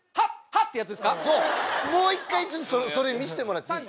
そうもう１回それ見せてもらっていい？